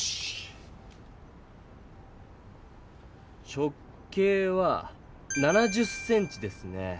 直径は７０ｃｍですね。